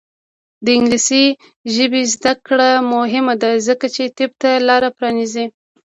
د انګلیسي ژبې زده کړه مهمه ده ځکه چې طب ته لاره پرانیزي.